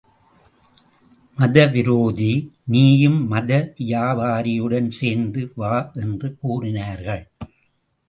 மத விரோதி.நீயும் மது வியாபாரியுடன் சேர்ந்து வா என்று கூறினார்கள்.